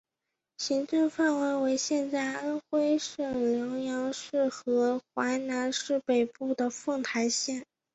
行政范围为现在安徽省阜阳市和淮南市北部的凤台县。